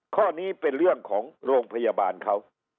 ข้อนี้เป็นเรื่องของโรงพยาบาลเขา